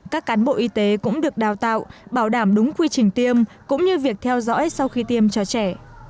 các cán bộ y tế cũng được đào tạo bảo đảm đúng quy trình tiêm cũng như việc theo dõi sau khi tiêm cho trẻ